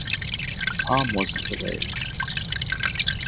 Tom wasn't delayed.